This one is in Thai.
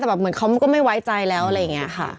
แต่แบบเหมือนเขาก็ไม่ไว้ใจแล้วอะไรอย่างนี้ค่ะ